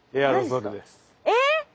えっ！